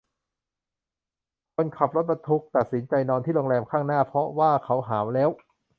คนขับรถบรรทุกตักสินใจนอนที่โรงแรมข้างหน้าเพราะว่าเขาหาวแล้ว